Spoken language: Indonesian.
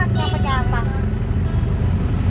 tadi katanya gak mau mampir ke pasar